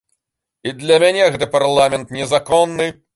І для мяне гэты парламент незаконны.